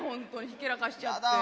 ひけらかしちゃって。